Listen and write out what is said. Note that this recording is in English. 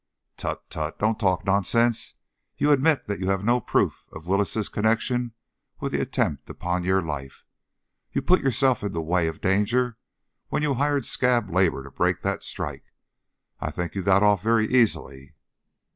"Tut, tut! Don't talk nonsense. You admit that you have no proof of Willis' connection with the attempt upon your life. You put yourself in the way of danger when you hired scab labor to break that strike. I think you got off very easily."